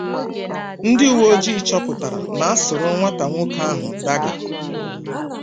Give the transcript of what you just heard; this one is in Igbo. ndị uwe-ojii chọpụtara na a sụrụ nwata-nwoke ahụ daga.